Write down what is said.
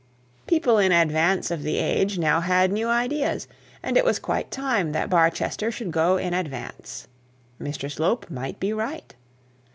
People in advance of the age now had new ideas, and it was quite time that Barchester should go in advance. Mr Slope might be right.